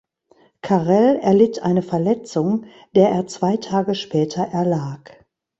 Carrel erlitt eine Verletzung, der er zwei Tage später erlag.